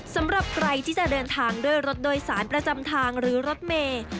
สำหรับใครที่จะเดินทางด้วยรถโดยสารประจำทางหรือรถเมย์